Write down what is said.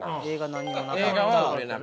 何もなかったな。